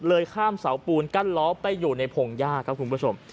ข้ามเสาปูนกั้นล้อไปอยู่ในพงหญ้าครับคุณผู้ชม